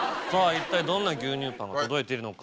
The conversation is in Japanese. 一体どんな牛乳パンが届いてるのか。